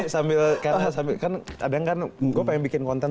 jadi sambil kadang kan gue pengen bikin konten